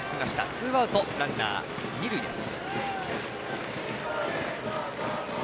ツーアウト、ランナー、二塁です。